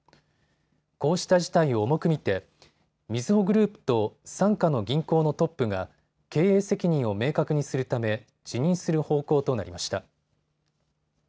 こうした事態を重く見てみずほグループと傘下の銀行のトップが経営責任を明確にするため辞任する方向となりました。